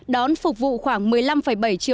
đón phục vụ khoảng một mươi năm bảy triệu lượt khách